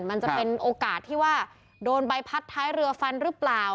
มันจะเป็นโอกาสที่ว่าโดนใบพัดท้ายเรือฟันหรือเปล่า